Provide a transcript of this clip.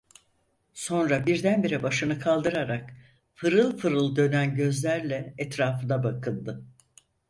Sonra birdenbire başını kaldırarak fırıl fırıl dönen gözlerle etrafına bakındı.